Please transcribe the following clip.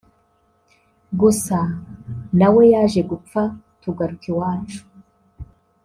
gusa na we yaje gupfa tugaruka iwacu